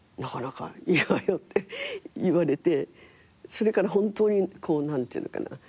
それから本当に何て言うのかな。